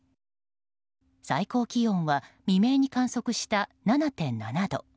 最高気温は未明に観測した７．７度。